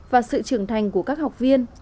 và sự trưởng thành của các học viên